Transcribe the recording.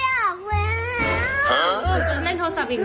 เออลูกจะเล่นโทรศัพท์อีกไหม